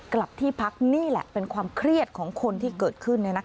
กลับที่พักนี่แหละเป็นความเครียดของคนที่เกิดขึ้น